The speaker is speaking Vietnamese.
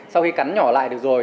sau khi cắn nhỏ lại được rồi